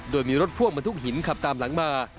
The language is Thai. โดยมีรถพ่วงบรรทุกหินขับตามหลังมา